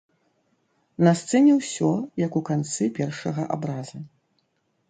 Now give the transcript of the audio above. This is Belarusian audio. На сцэне ўсё, як у канцы першага абраза.